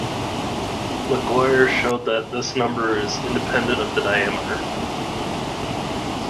Laguerre showed that this number is independent of the diameter.